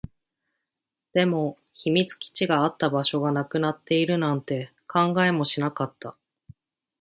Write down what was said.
でも、秘密基地があった場所がなくなっているなんて考えもしなかった